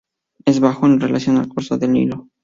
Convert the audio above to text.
Es "bajo" en relación al curso del Nilo.